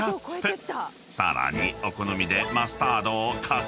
［さらにお好みで］